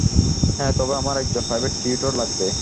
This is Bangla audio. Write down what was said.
হ্যাঁ, তবে আমার একজন প্রাইভেট টিউটর লাগবে।